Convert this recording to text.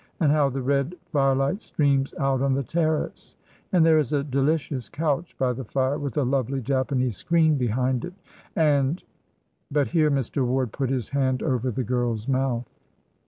And how the red firelight streams out on the terrace? And there is a delicious couch by the fire with a lovely Japanese screen behind it, and " But here Mr. Ward put his hand over the girl's mouth.